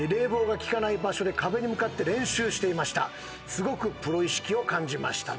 「すごくプロ意識を感じました」